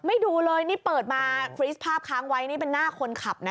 ดูเลยนี่เปิดมาฟรีสภาพค้างไว้นี่เป็นหน้าคนขับนะ